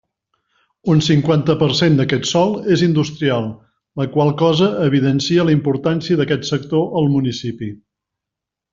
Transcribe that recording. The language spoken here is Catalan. Un cinquanta per cent d'aquest sòl és industrial, la qual cosa evidencia la importància d'aquest sector al municipi.